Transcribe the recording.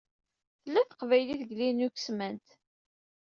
Tella teqbaylit deg Linux Mint.